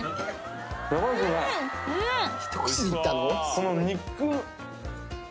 この肉。